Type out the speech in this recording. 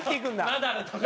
ナダルとか。